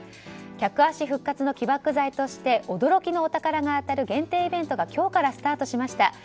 客足復活の起爆剤として驚きのお宝が当たる限定イベントが今日からスタートしました。